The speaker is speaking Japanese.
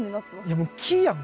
いやもう木やん！